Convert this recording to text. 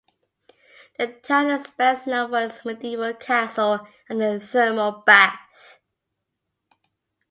The town is best known for its Medieval castle and a thermal bath.